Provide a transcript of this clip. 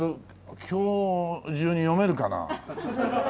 今日中に読めるかな？